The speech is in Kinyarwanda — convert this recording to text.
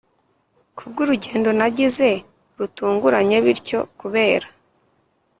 kubwurugendo nagize rutunguranye bityo kubera